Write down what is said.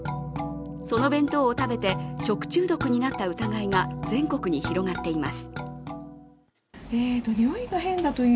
その弁当を食べて食中毒になった疑いが全国に広がっています。